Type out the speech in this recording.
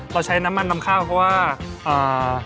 เราใช้น้ำมันนำข้าวเพราะว่าอ่า